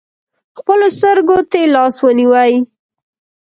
خپلو سترکو تې لاس ونیوئ .